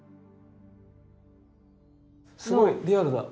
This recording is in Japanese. すごいリアルだ。